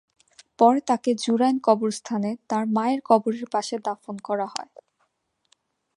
পরে তাঁকে জুরাইন কবরস্থানে তাঁর মায়ের কবরের পাশে দাফন করা হয়।